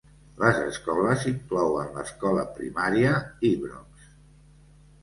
Les escoles inclouen l'Escola Primària Ibrox.